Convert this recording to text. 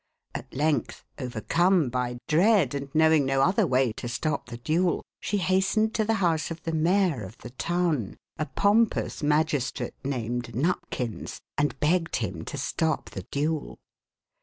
At length, overcome by dread, and knowing no other way to stop the duel, she hastened to the house of the mayor of the town, a pompous magistrate named Nupkins, and begged him to stop the duel.